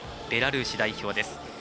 ベラルーシ代表です。